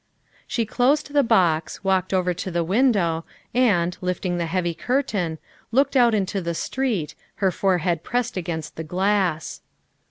She closed the box, walked over to the window, and, lifting the heavy curtain, looked out into the street, her forehead pressed against the glass.